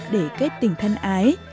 để kết tình thân ái